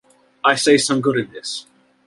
I see some good in this.